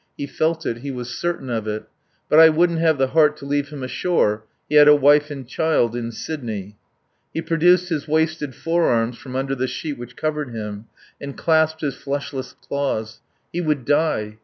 He felt it, he was certain of it. But I wouldn't have the heart to leave him ashore. He had a wife and child in Sydney. He produced his wasted forearms from under the sheet which covered him and clasped his fleshless claws. He would die!